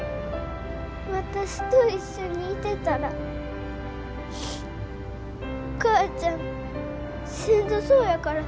私と一緒にいてたらお母ちゃんしんどそうやから。